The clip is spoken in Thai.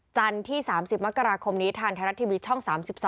จันทร์ที่๓๐มกราคมนี้ทางไทยรัฐทีวีช่อง๓๒